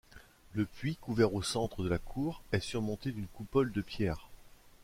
Le puits couvert au centre de la cour est surmonté d'une coupole de pierre.